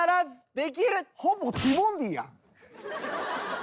ティモンディやん！